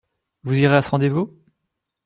Vous irez à ce rendez-vous ?